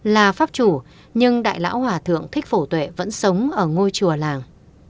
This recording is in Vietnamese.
là pháp chủ nhưng đại lão hòa thượng thích phổ tuệ vẫn sống ở ngôi chùa làng